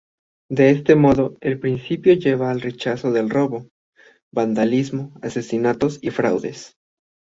De este modo, el principio lleva al rechazo del robo, vandalismo, asesinatos y fraudes.